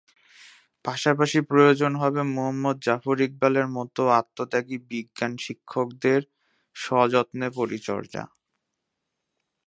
পাশাপাশি প্রয়োজন হবে মুহম্মদ জাফর ইকবালের মতো আত্মত্যাগী বিজ্ঞান শিক্ষকদের সযত্নে পরিচর্যা।